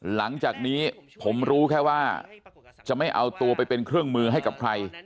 หลังจากนี้ผมรู้แค่ว่าจะไม่เอาตัวไปเป็นเครื่องมือให้กับใคร